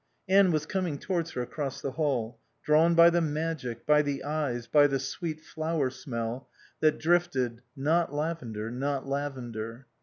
Anne was coming towards her across the hall, drawn by the magic, by the eyes, by the sweet flower smell that drifted (not lavender, not lavender).